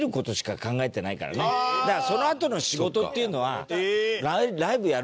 だからそのあとの仕事っていうのは。